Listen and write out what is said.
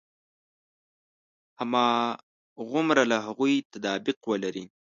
هماغومره له هغوی تطابق ولري.